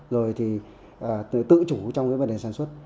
rồi thì tự chủ trong cái vấn đề sản xuất